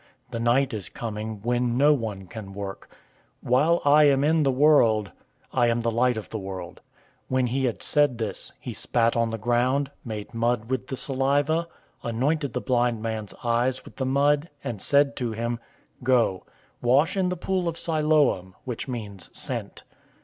The night is coming, when no one can work. 009:005 While I am in the world, I am the light of the world." 009:006 When he had said this, he spat on the ground, made mud with the saliva, anointed the blind man's eyes with the mud, 009:007 and said to him, "Go, wash in the pool of Siloam" (which means "Sent").